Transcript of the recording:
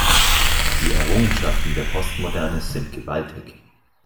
Die Errungenschaften der Postmoderne sind gewaltig.